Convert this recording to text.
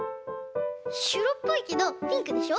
しろっぽいけどピンクでしょ？